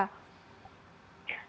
nah terima kasih